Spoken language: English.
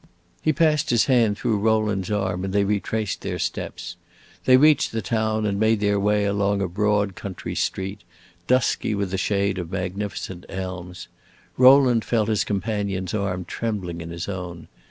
He passed his hand through Rowland's arm and they retraced their steps. They reached the town and made their way along a broad country street, dusky with the shade of magnificent elms. Rowland felt his companion's arm trembling in his own.